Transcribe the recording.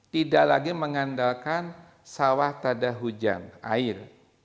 tidak lagi mengandalkan sawah tada hujan air